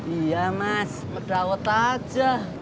iya mas berdawat aja